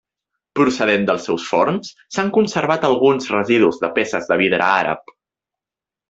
Procedent dels seus forns, s'han conservat alguns residus de peces de vidre àrab.